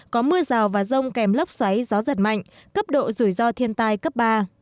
có mưa rào và rông kèm lốc xoáy gió giật mạnh cấp độ rủi ro thiên tai cấp ba